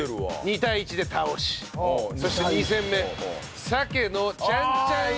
２対１で倒しそして２戦目鮭のちゃんちゃん焼き釜飯。